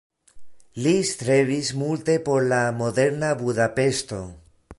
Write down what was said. Li strebis multe por la moderna Budapeŝto.